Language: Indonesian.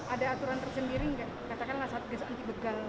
ada aturan tersendiri